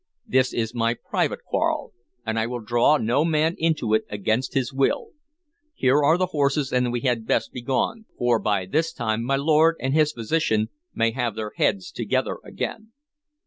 This is my private quarrel, and I will draw no man into it against his will. Here are the horses, and we had best be gone, for by this time my lord and his physician may have their heads together again."